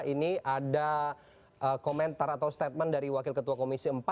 ini ada komentar atau statement dari wakil ketua komisi empat